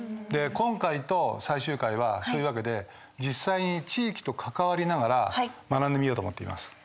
今回と最終回はそういう訳で実際に地域と関わりながら学んでみようと思っています。